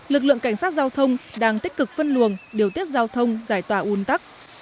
lực lượng cảnh sát giao thông đang tích cực phân luồng điều tiết giao thông giải tỏa un tắc